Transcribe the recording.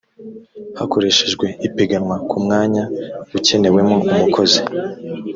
hakoreshejwe ipiganwa ku mwanya ukenewemo umukozi